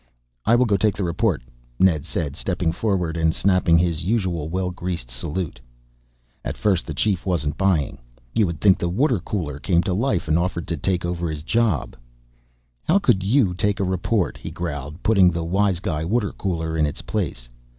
"I will go take the report," Ned said, stepping forward and snapping his usual well greased salute. At first the Chief wasn't buying. You would think the water cooler came to life and offered to take over his job. "How could you take a report?" he growled, putting the wise guy water cooler in its place.